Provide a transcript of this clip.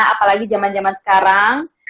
apalagi zaman zaman sekarang